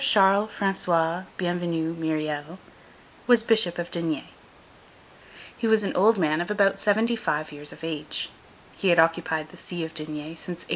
Charles François Bienvenu Myriel was Bishop of D—— He was an old man of about seventy five years of age; he had occupied the see of D—— since 1806.